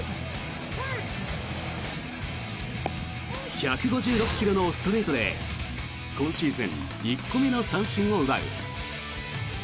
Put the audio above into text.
１５６ｋｍのストレートで今シーズン１個目の三振を奪う。